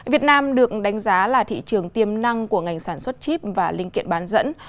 việt nam được đánh giá là thị trường tiềm năng của ngành sản xuất chip và linh kiện bán dẫn